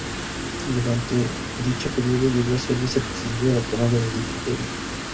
Durante dicho periodo llegó a ser Vicepresidente de la Cámara de Diputados.